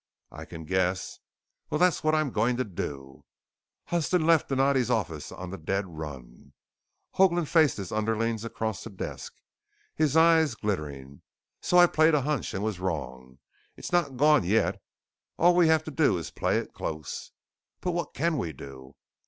"I can guess." "Well, that's what I'm going to do!" Huston left Donatti's office on the dead run. Hoagland faced his underlings across the desk, his eyes glittering. "So I played a hunch and was wrong. It's not gone yet. All we have to do is play it close." "But what can we do?"